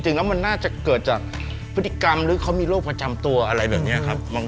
จริงแล้วมันน่าจะเกิดจากพฤติกรรมหรือเขามีโรคประจำตัวอะไรแบบนี้ครับ